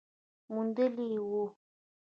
موندلې وه